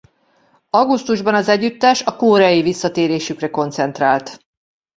Augusztusban az együttes a koreai visszatérésükre koncentrált.